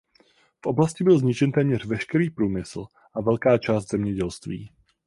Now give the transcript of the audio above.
V oblasti byl zničen téměř veškerý průmysl a velká část zemědělství.